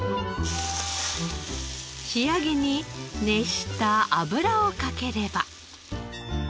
仕上げに熱した油をかければ。